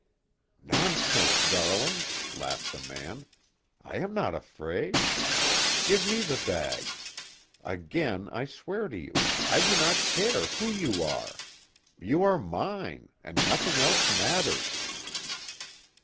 "Nonsense, darling!" laughed the man, "I am not afraid! Give me the bag. Again I swear to you, I do not care who you are. You are mine and nothing else matters!"